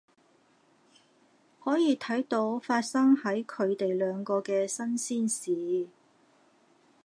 可以睇到發生喺佢哋兩個嘅新鮮事